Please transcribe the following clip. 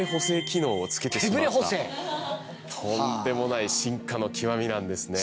つけてしまったとんでもない進化の極みなんですね。